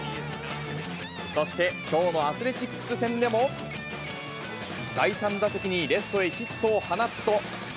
そしてきょうのアスレチックス戦でも、第３打席にレフトへヒットを放つと。